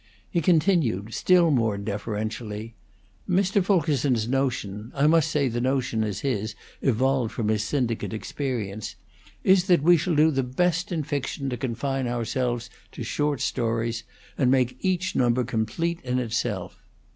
He continued still more deferentially: "Mr. Fulkerson's notion I must say the notion is his, evolved from his syndicate experience is that we shall do best in fiction to confine ourselves to short stories, and make each number complete in itself.